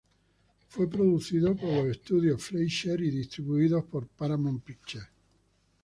Fue producido por los estudios Fleischer y distribuido por Paramount Pictures.